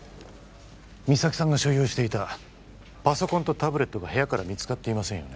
実咲さんが所有していたパソコンとタブレットが部屋から見つかっていませんよね